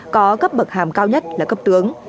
có cấp bậc hàm cao nhất là cấp tướng